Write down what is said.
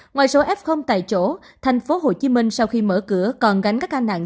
ngoài số f tại chỗ thành phố hồ chí minh sau khi mở cửa còn gánh các ca nặng